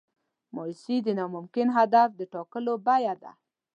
مایوسي د ناممکن هدف د ټاکلو بیه ده.